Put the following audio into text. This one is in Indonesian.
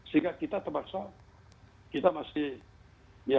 sehingga kita terpaksa kita masih ya